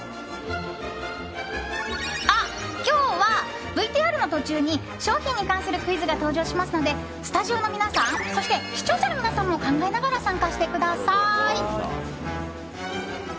あ、今日はＶＴＲの途中に商品に関するクイズが登場しますのでスタジオの皆さんそして視聴者の皆さんも考えながら参加してください。